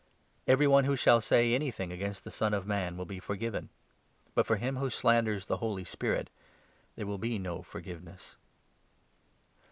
Every one who shall say anything against the Son of Man will be forgiven, but for him who slanders the Holy Spirit there will be no forgiveness.